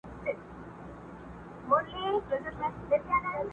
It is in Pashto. ما یې تنې ته زلمۍ ویني اوبه خور ورکاوه!!